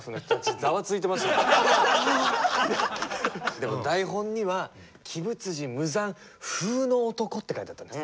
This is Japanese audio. でも台本には「鬼舞無惨風の男」って書いてあったんです。